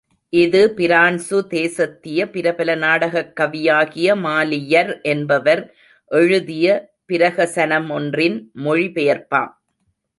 இது பிரான்சு தேசத்திய பிரபல நாடகக் கவியாகிய மாலியர் என்பவர் எழுதிய பிரஹசனமொன்றின் மொழி பெயர்ப்பாம்.